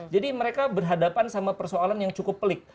jadi mereka berhadapan sama persoalan yang cukup pelik